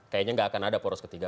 kayaknya nggak akan ada poros ketiga